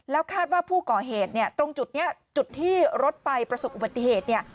แล้วคาดว่าผู้ก่อเหตุตรงจุดที่รถไปประสบอุบัติเหตุ